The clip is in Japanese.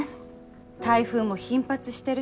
台風も頻発してるし